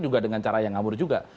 juga dengan cara yang ngawur juga